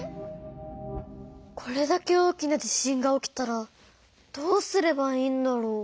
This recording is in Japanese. これだけ大きな地震が起きたらどうすればいいんだろう？